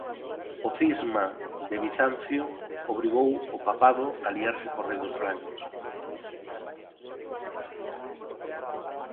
O cisma de Bizancio obrigou ao Papado a aliarse co rei dos francos.